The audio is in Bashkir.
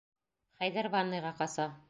Хәйҙәр ванныйға ҡаса.